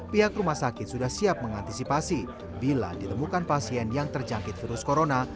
pihak rumah sakit sudah siap mengantisipasi bila ditemukan pasien yang terjangkit virus corona